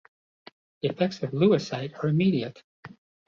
The effects of Lewisite are immediate.